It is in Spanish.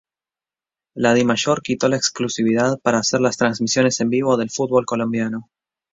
La Dimayor quitó la exclusividad para hacer las transmisiones en vivo del fútbol colombiano.